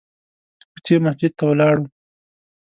د کوڅې مسجد ته ولاړو.